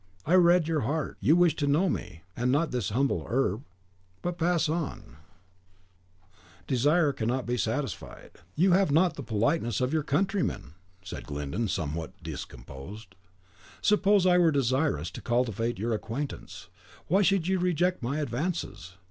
I read your heart. You wish to know me, and not this humble herb: but pass on; your desire cannot be satisfied." "You have not the politeness of your countrymen," said Glyndon, somewhat discomposed. "Suppose I were desirous to cultivate your acquaintance, why should you reject my advances?"